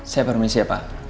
saya permisi ya pak